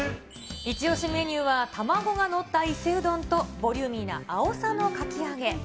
一押しメニューは、卵が載った伊勢うどんと、ボリューミーなあおさのかき揚げ。